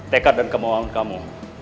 tekad dan kemauan kamu